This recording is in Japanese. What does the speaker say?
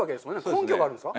根拠があるんですか？